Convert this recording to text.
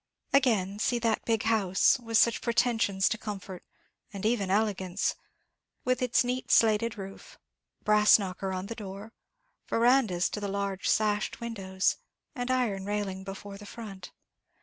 Again, see that big house, with such pretensions to comfort, and even elegance, with its neat slated roof, brass knocker on the door, verandahs to the large sashed windows, and iron railing before the front.